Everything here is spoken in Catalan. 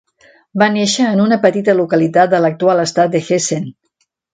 Va néixer en una petita localitat de l'actual estat de Hessen.